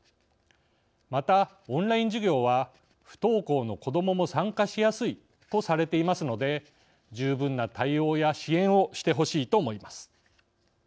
またオンライン授業は不登校の子どもも参加しやすいとされていますので十分な対応や支援をしてほしいと思います。